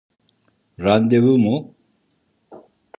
Randevu mu?